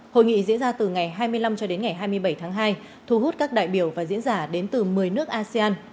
hội nghị diễn ra từ ngày hai mươi năm cho đến ngày hai mươi bảy tháng hai thu hút các đại biểu và diễn giả đến từ một mươi nước asean